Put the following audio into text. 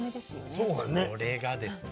それがですね